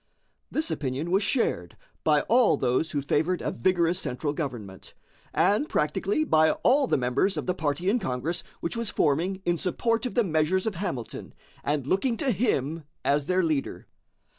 This opinion was shared by all those who favored a vigorous central government, and practically by all the members of the party in Congress which was forming in support of the measures of Hamilton and looking to him as their leader.